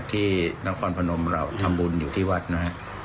ที่น้ำกวันผนมเราทำบุญอยู่ที่วัดน่ะ